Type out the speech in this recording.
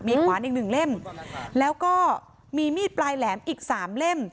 มีขวานอีกหนึ่งเล่มแล้วก็มีมีดปลายแหลมอีกสามเล่ม